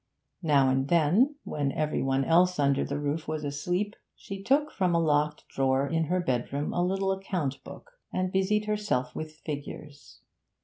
Now and then, when every one else under the roof was asleep, she took from a locked drawer in her bedroom a little account book, and busied herself with figures.